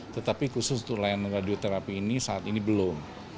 tetapi khusus untuk layanan radioterapi ini saat ini belum